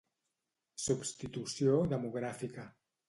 Substitució demogràfica.